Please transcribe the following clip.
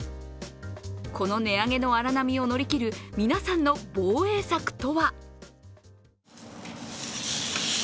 この値上げの荒波を乗り切る皆さんの防衛策とは？